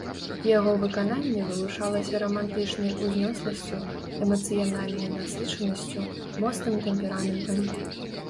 Яго выкананне вылучалася рамантычнай узнёсласцю, эмацыянальнай насычанасцю, моцным тэмпераментам.